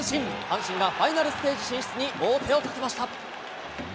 阪神がファイナルステージ進出に王手をかけました。